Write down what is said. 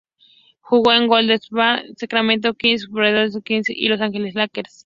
Jugó en Golden State Warriors, Sacramento Kings, Washington Wizards y en Los Ángeles Lakers.